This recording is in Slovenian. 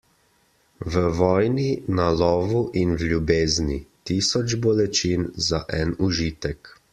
V vojni, na lovu in v ljubezni - tisoč bolečin za en užitek.